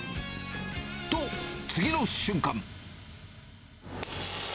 と、次の瞬間！